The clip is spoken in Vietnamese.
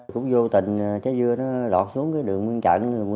cũng vô tình trái dưa nó lọt xuống đường nguyên chạnh